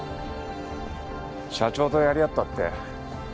社長とやり合ったって？